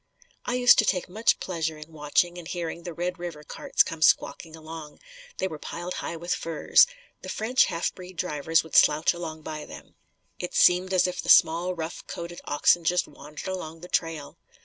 I used to take much pleasure in watching and hearing the Red River carts come squawking along. They were piled high with furs. The French half breed drivers would slouch along by them. It seemed as if the small rough coated oxen just wandered along the trail.